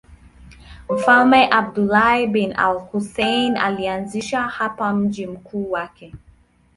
Mfalme Abdullah bin al-Husayn alianzisha hapa mji mkuu wake.